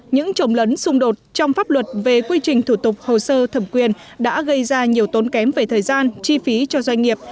những trồng lấn xung đột trong pháp luật về quy trình thủ tục hồ sơ thẩm quyền đã gây ra nhiều tốn kém về thời gian chi phí cho doanh nghiệp